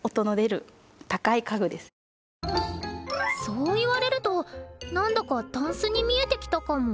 そう言われるとなんだかタンスに見えてきたかも。